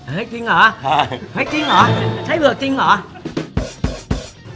เฮ้ยจริงหรอเฮ้ยจริงหรอไส้เผือกจริงหรอ